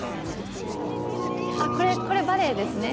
あっこれバレエですね